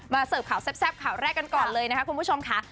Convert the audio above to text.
เสิร์ฟข่าวแซ่บข่าวแรกกันก่อนเลยนะคะคุณผู้ชมค่ะ